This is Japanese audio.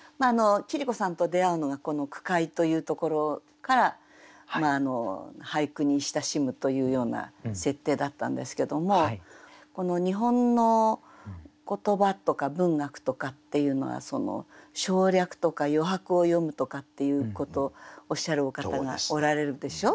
桐子さんと出会うのが句会というところから俳句に親しむというような設定だったんですけどもこの日本の言葉とか文学とかっていうのは省略とか余白を詠むとかっていうことをおっしゃるお方がおられるでしょ？